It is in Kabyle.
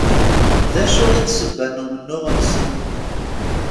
D acu i d ssebba n umennuɣ-nsen?